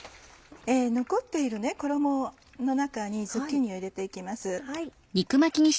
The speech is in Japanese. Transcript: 残っている衣の中にズッキーニを入れて行きます。